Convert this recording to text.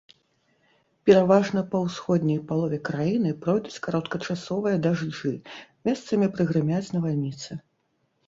Пераважна па ўсходняй палове краіны пройдуць кароткачасовыя дажджы, месцамі прагрымяць навальніцы.